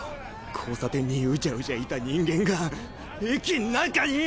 交差点にうじゃうじゃいた人間が駅ん中に！